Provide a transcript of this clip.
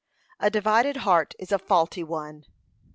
A divided heart is a faulty one.